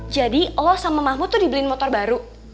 jadi o sama mahmud tuh dibeliin motor baru